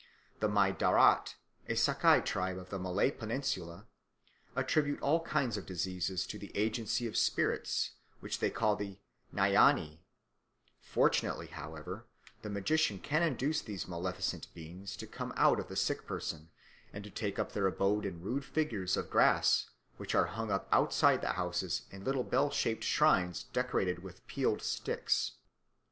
The Mai Darat, a Sakai tribe of the Malay Peninsula, attribute all kinds of diseases to the agency of spirits which they call nyani; fortunately, however, the magician can induce these maleficent beings to come out of the sick person and take up their abode in rude figures of grass, which are hung up outside the houses in little bell shaped shrines decorated with peeled sticks.